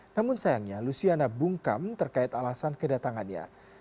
namun sayangnya luciana bungkam terkait alasan kedatangannya